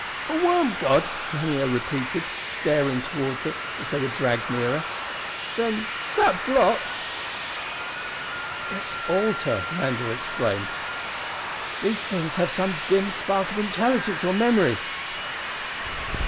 "A worm god!" Lanier repeated, staring toward it as they were dragged nearer. "Then that block...." "Its altar!" Randall exclaimed. "These things have some dim spark of intelligence or memory!